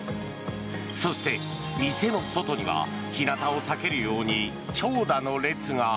そして、店の外には日なたを避けるように長蛇の列が。